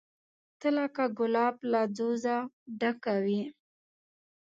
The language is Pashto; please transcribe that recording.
ته لکه ګلاب له ځوزه ډکه وې